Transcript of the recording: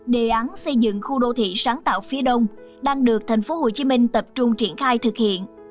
đề án xây dựng khu đô thị sáng tạo phía đông đang được thành phố hồ chí minh tập trung triển khai thực hiện